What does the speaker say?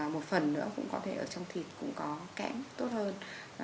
một phần nữa cũng có thể ở trong thịt cũng có kẽm tốt hơn